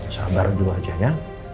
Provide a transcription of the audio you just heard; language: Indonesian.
sabar di wajahnya